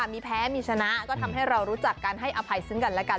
มีแพ้มีชนะก็ทำให้เรารู้จักกันให้อภัยซึ่งกันและกัน